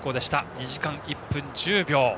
２時間１分１０秒。